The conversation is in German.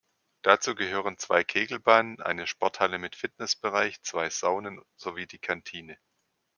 Dazu gehören zwei Kegelbahnen, eine Sporthalle mit Fitnessbereich, zwei Saunen sowie die Kantine.